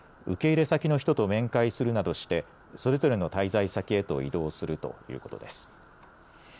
受け入れ先の人と面会するなどしてそれぞれの滞在先へと移動するということです。